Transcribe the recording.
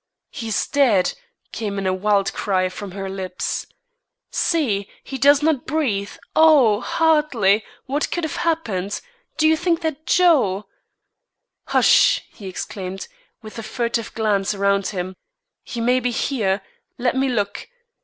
"He is dead!" came in a wild cry from her lips. "See! he does not breathe. Oh! Hartley, what could have happened? Do you think that Joe " "Hush!" he exclaimed, with a furtive glance around him. "He may be here; let me look.